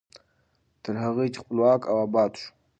تر هغه چې خپلواک او اباد شو.